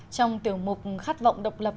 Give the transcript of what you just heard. trong tiểu mục khát vọng độc lập